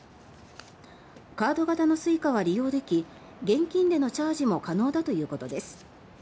カード型のＳｕｉｃａは利用でき現金でのチャージも可能だということです。